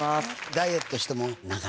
ダイエットしても。